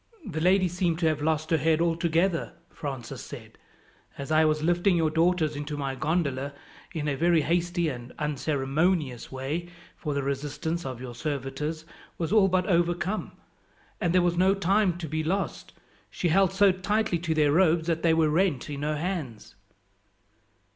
"The lady seemed to have lost her head altogether," Francis said. "As I was lifting your daughters into my gondola, in a very hasty and unceremonious way for the resistance of your servitors was all but overcome, and there was no time to be lost she held so tightly to their robes that they were rent in her hands."